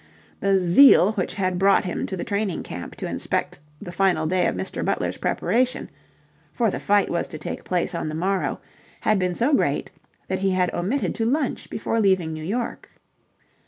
The zeal which had brought him to the training camp to inspect the final day of Mr. Butler's preparation for the fight was to take place on the morrow had been so great that he had omitted to lunch before leaving New York.